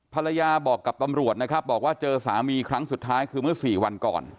ภรรยาบอกกับตำรวจนะครับบอกว่าเจอสามีครั้งสุดท้ายคือเมื่อ๔วันก่อน